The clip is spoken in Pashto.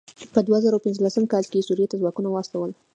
په دوه زره پنځلسم کال کې یې سوريې ته ځواکونه واستول.